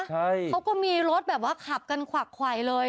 ใช่เขาก็มีรถแบบว่าขับกันขวักไขวเลย